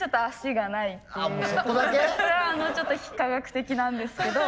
ちょっと非科学的なんですけど。